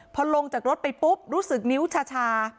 พอลงจากรถไปปุ๊บรู้สึกนิ้วชา